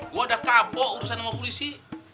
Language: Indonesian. gua udah kabok urusan sama polisi